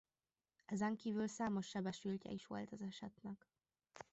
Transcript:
Ezen kívül számos sebesültje is volt az esetnek.